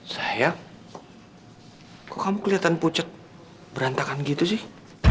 sayang kok kamu kelihatan pucat berantakan gitu sih